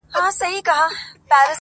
• ورته سپک په نظر ټوله موږکان دي..